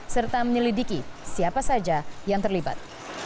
serta menyelidiki siapa saja yang terlibat